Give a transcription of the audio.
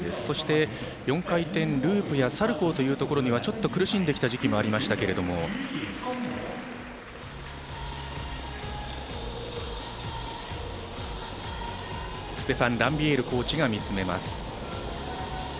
そして４回転ループやサルコウにはちょっと苦しんできた時期もありましたけどステファン・ランビエルコーチが見つめます。